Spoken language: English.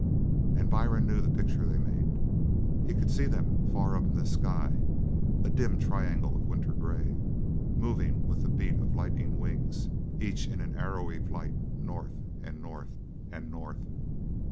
And Byrne knew the picture they made. He could see them far up in the sky a dim triangle of winter grey moving with the beat of lightning wings each in an arrowy flight north, and north, and north.